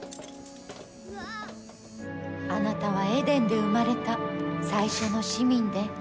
あなたはエデンで生まれた最初の市民で。